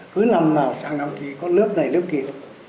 cứ năm nào sang năm thì có lớp này lớp kia